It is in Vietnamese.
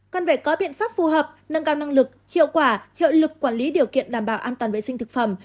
cần phải có biện pháp phù hợp nâng cao năng lực hiệu quả hiệu lực quản lý điều kiện đảm bảo an toàn vệ sinh thực phẩm